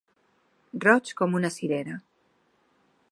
Roig com una cirera.